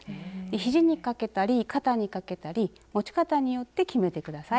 ひじにかけたり肩にかけたり持ち方によって決めて下さい。